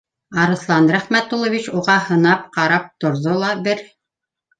Арыҫлан Рәхмәтуллович уға һынап ҡарап торҙо ла бер